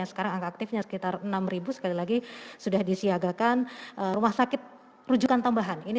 sekarang aktifnya sekitar enam ribu sekali lagi sudah disiagakan rumah sakit rujukan tambahan ini